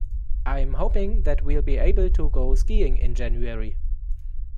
I'm hoping that we'll be able to go skiing in January.